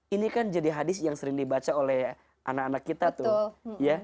ini kan jadi hadis yang sering dibaca oleh anak anak kita tuh